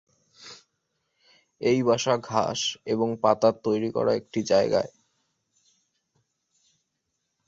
এই বাসা ঘাস এবং পাতার তৈরি করা একটি যায়গায়।